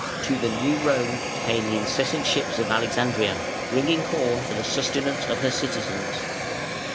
To the New Rome came the incessant ships of Alexandria, bringing corn for the sustenance of her citizens.